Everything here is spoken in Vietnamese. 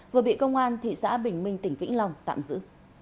vừa bị công an thị xã bình minh tỉnh vĩnh long tạm giữ